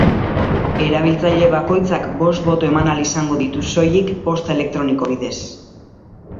Erabiltzaile bakoitzak bost boto eman ahal izango ditu soilik posta elektroniko bidez.